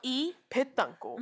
ペッタンコ？